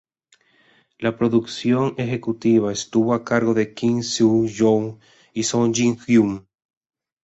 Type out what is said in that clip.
La producción ejecutiva estuvo a cargo de Kim Seung-jo y Son Ji-hyun.